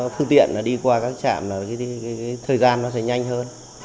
thu tiện đi qua các trạm là thời gian nó sẽ nhanh hơn